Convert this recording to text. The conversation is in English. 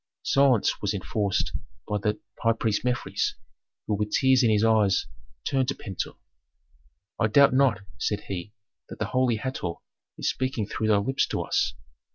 Silence was enforced by the high priest Mefres, who with tears in his eyes turned to Pentuer. "I doubt not," said he, "that the holy Hator is speaking through thy lips to us.